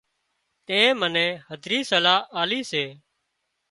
تين منين هڌري صلاح آلي سي